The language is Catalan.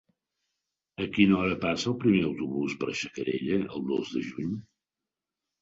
A quina hora passa el primer autobús per Xacarella el dos de juny?